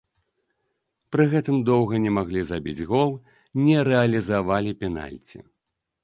Пры гэтым доўга не маглі забіць гол, не рэалізавалі пенальці.